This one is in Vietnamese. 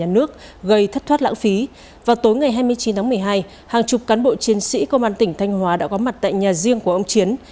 ngày hai mươi chín tháng một mươi hai hàng chục cán bộ chiến sĩ công an tỉnh thanh hóa đã có mặt tại nhà riêng của ông chiến